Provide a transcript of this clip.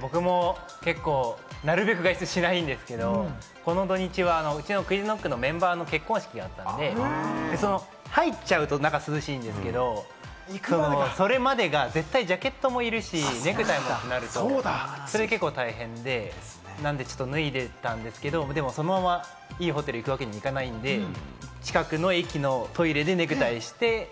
僕も結構、なるべく外出しないんですけれども、この土日は、うちのＱｕｉｚＫｎｏｃｋのメンバーの結婚式があったので、入っちゃうと中は涼しいんですけれども、それまでが絶対ジャケットもいるし、ネクタイもとなると、それで結構大変で、なんでちょっと脱いでいったんですけれども、そのままいいホテル行くわけにもいかないんで、近くの駅のトイレでネクタイして。